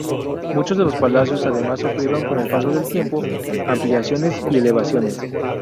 Muchos de los palacios, además, sufrieron con el paso del tiempo ampliaciones y elevaciones.